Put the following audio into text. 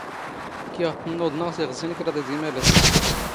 ⴽⴽⵉⵖ ⵜⵜ ⵏⵏ ⵓⴹⵏⵖ ⵜⵉⵖⵣⵉ ⵏ ⴽⵕⴰⴹ ⵉⴷ ⵉⵎⴰⵍⴰⵙⵙ.